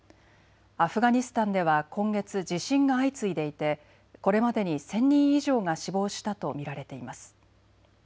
アフガニスタンでは今月、地震が相次いでいてこれまでに１０００人以上が死亡したと見られています。